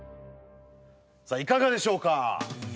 さあいかがでしょうか？